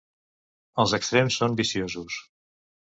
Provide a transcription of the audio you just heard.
Els extrems són viciosos.